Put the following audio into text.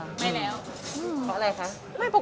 คงไม่อะค่ะ